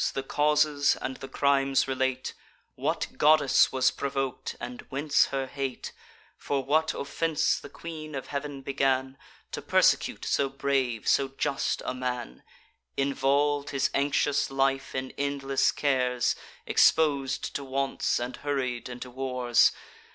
the causes and the crimes relate; What goddess was provok'd, and whence her hate; For what offence the Queen of Heav'n began To persecute so brave, so just a man; Involv'd his anxious life in endless cares, Expos'd to wants, and hurried into wars!